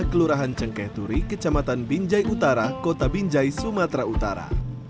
kelurahan cengkaituri kecamatan binjai utara kota binjai sumatera utara